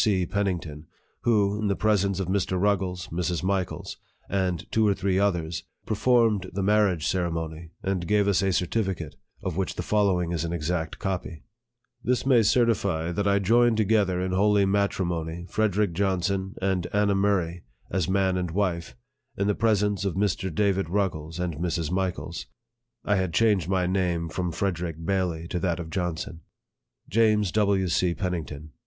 W. C. Pennington, who, in the presence of Mr. Ruggles, Mrs. Michaels, and two or three others, per formed the marriage ceremony, and gave us a certifi cate, of which the following is an exact copy :" THIS may certify, that I joined together in holy matrimony Frederick Johnsont and Anna Murray, as man and wife, in the presence of Mr. David Ruggles and Mrs. Michaels. " JAMES W. C. PENNINGTON.